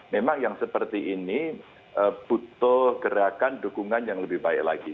memang yang seperti ini butuh gerakan dukungan yang lebih baik lagi